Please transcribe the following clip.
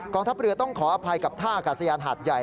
ทัพเรือต้องขออภัยกับท่าอากาศยานหาดใหญ่